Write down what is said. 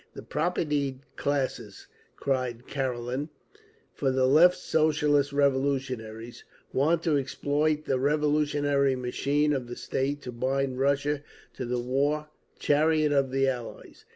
"The propertied classes," cried Karelin, for the Left Socialist Revolutionaries, "want to exploit the revolutionary machine of the State to bind Russia to the war chariot of the Allies!